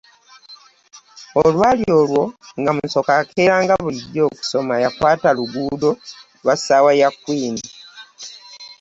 Olwali olwo nga Musoke akeera nga bulijjo kusoma yakwata luguudo lwa ssaawa ya Queen.